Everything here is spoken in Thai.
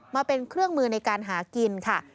มาเป็นเครื่องมือในการหากินค่ะ